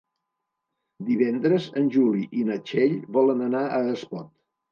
Divendres en Juli i na Txell volen anar a Espot.